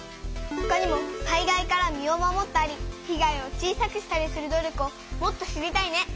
ほかにも災害から身を守ったり被害を小さくしたりする努力をもっと知りたいね！